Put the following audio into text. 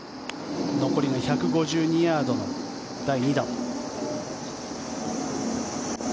残りの１５２ヤードの第２打。